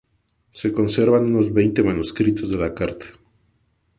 Se conservan unos veinte manuscritos de la carta.